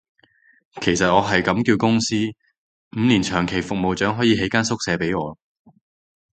其實我係咁叫公司，五年長期服務獎可以起間宿舍畀我